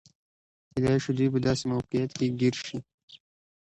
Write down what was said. کېدای شي دوی په داسې موقعیت کې ګیر شي.